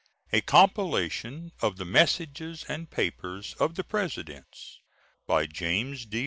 A COMPILATION OF THE MESSAGES AND PAPERS OF THE PRESIDENTS BY JAMES D.